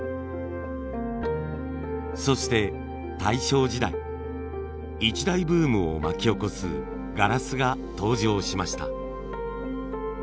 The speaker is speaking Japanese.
そして大正時代一大ブームを巻き起こすガラスが登場しました。